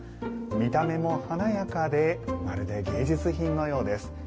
見た目も華やかでまるで芸術品のようです。